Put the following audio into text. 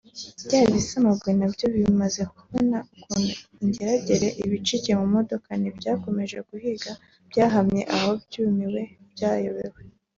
Bya bisamagwe nabyo bimaze kubona ukuntu ingeragere ibicikiye mu modoka ntibyakomeje guhiga byahamye aho byumiwe byayobewe